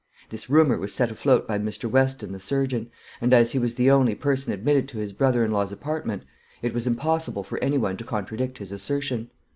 This rumour was set afloat by Mr. Weston the surgeon; and as he was the only person admitted to his brother in law's apartment, it was impossible for any one to contradict his assertion.